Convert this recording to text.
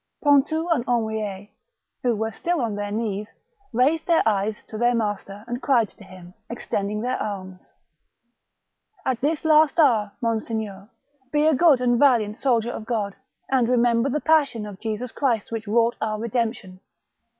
Pontou and Henriet, who were still on their knees, raised their eyes to their master and cried to him, extending their arms, — "At this last hour, monseigneur, be a good and valiant soldier of God, and remember the passion of Jesus Christ which wrought our redemption.